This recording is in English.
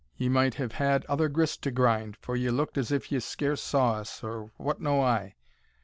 ye might have had other grist to grind, for ye looked as if ye scarce saw us or what know I?